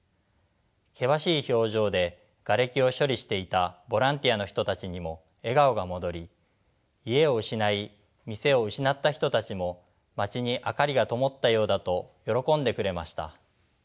険しい表情でがれきを処理していたボランティアの人たちにも笑顔が戻り家を失い店を失った人たちも街に明かりがともったようだと喜んでくれました。